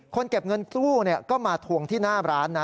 เก็บเงินกู้ก็มาทวงที่หน้าร้านนะ